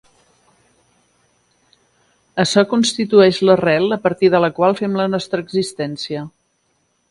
Açò constitueix l'arrel a partir de la qual fem la nostra existència.